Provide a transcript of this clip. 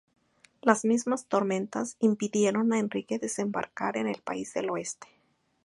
Las mismas tormentas impidieron a Enrique desembarcar en el País del oeste.